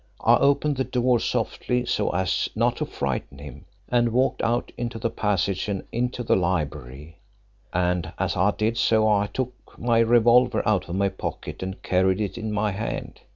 I opened the door softly so as not to frighten him, and walked out into the passage and into the library, and as I did so I took my revolver out of my pocket and carried it in my hand.